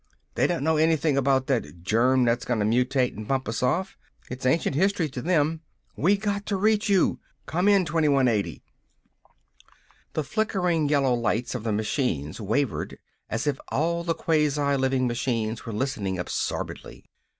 They don't know anything about that germ that's gonna mutate and bump us off! It's ancient history to them. We got to reach you! Come in, 2180!" The flickering yellow lights of the machines wavered as if all the quasi living machines were listening absorbedly.